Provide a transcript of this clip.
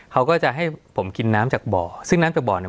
เขาก็จะให้ผมกินน้ำจากบ่อซึ่งน้ำจากบ่อเนี่ย